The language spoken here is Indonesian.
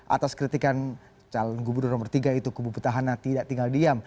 atas kritikan calon gubernur nomor tiga itu kubu petahana tidak tinggal diam